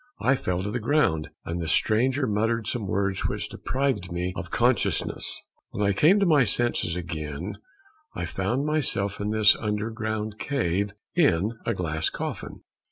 I fell to the ground, and the stranger muttered some words which deprived me of consciousness. "When I came to my senses again I found myself in this underground cave in a glass coffin.